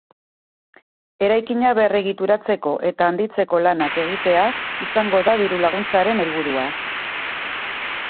Eraikina berregituratzeko eta handitzeko lanak egitea izango da diru-laguntzaren helburua.